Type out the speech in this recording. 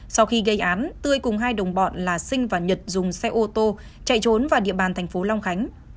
sau khi gây án tươi cùng hai đồng bọn là sinh và nhật dùng xe ô tô chạy trốn vào địa bàn thành phố long khánh